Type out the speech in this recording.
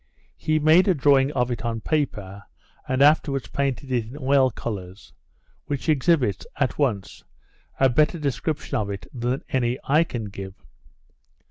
He made a drawing of it on paper, and afterwards painted it in oil colours; which exhibits, at once, a better description of it than any I can give.